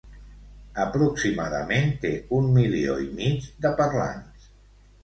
Aproximadament té un milió i mig de parlants.